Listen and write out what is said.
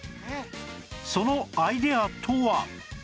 そのアイデアとは？